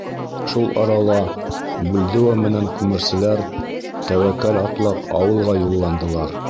Шул арала Бульдео менән күмерселәр, тәүәккәл атлап, ауылға юлландылар.